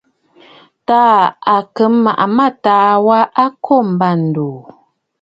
Taà à kɨ̀ màʼa mâtaà wa a kô m̀bândòò.